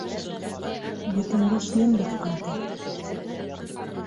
Битен вис йөн баҫҡан, ти.